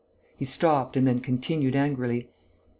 He stopped and then continued, angrily.